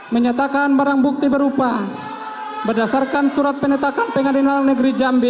menyatakan barang bukti berupa berdasarkan surat penetakan pengadilan negeri jambi